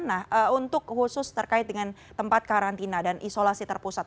nah untuk khusus terkait dengan tempat karantina dan isolasi terpusat